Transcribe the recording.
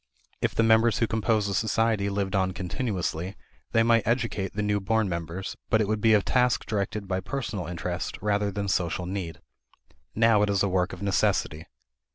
If the members who compose a society lived on continuously, they might educate the new born members, but it would be a task directed by personal interest rather than social need. Now it is a work of necessity.